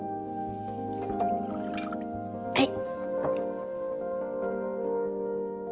はい。